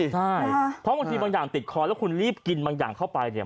ใช่เพราะบางทีบางอย่างติดคอแล้วคุณรีบกินบางอย่างเข้าไปเนี่ย